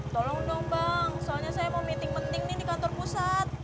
tolong dong bang soalnya saya mau meeting penting nih di kantor pusat